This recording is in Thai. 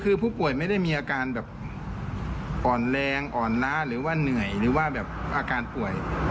คือผู้ป่วยไม่ได้มีอาการแบบอ่อนแรงอ่อนล้าหรือว่าเหนื่อยหรือว่าแบบอาการป่วย